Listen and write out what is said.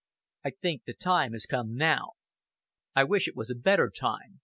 I think the time has come now. I wish it was a better time.